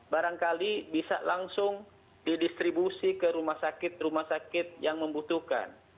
barangkali bisa langsung didistribusi ke rumah sakit rumah sakit yang membutuhkan